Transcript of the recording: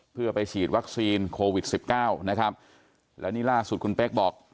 เพื่อไปฉีดวัคซีนโควิดสิบเก้านะครับแล้วนี่ล่าสุดคุณเป๊กบอก